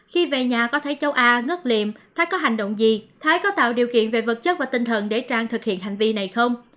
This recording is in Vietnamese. khi về nhà có thấy cháu a ngớt liệm thái có hành động gì thái có tạo điều kiện về vật chất và tinh thần để trang thực hiện hành vi này không